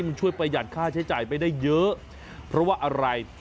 มันช่วยประหยัดค่าใช้จ่ายไปได้เยอะเพราะว่าอะไร